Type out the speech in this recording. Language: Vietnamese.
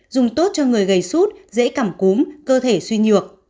dùng tốt cho người gầy sút dễ cẳm cúm cơ thể suy nhược